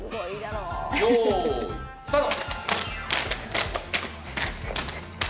よーい、スタート！